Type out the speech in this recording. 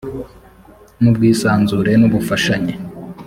n ubwisanzure n ubufashanye